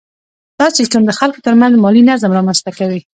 دا سیستم د خلکو ترمنځ مالي نظم رامنځته کوي.